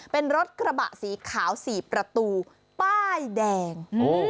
เป็นรถกระบะสีขาว๔ประตูป้ายแดง